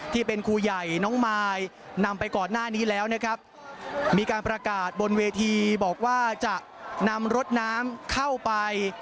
ที่เป็นครูใหญ่น้องมายนำไปก่อนหน้านี้แล้วนะครับมีการประกาศบนเวทีบอกว่าจะนำรถน้ำเข้าไป